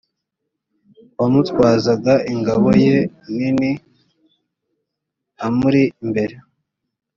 uwamutwazaga ingabo ye nini amuri imbere